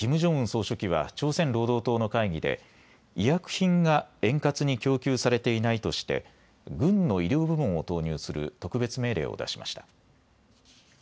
総書記は朝鮮労働党の会議で医薬品が円滑に供給されていないとして軍の医療部門を投入する特別命令を出しました。